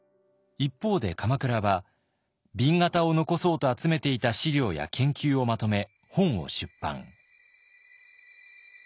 一方で鎌倉は紅型を残そうと集めていた資料や研究をまとめ本を出版。